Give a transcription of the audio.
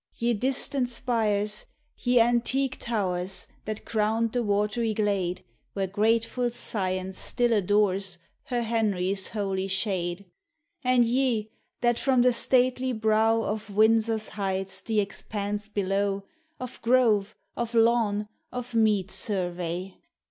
Ye distant spires, ye antique towers, That crowned the watery glade, Where grateful Science still adores Her Henry's holy shade ; And ye that froin the stately brow Of Windsor's heights the expanse below Of grove, of lawn, of mead survey.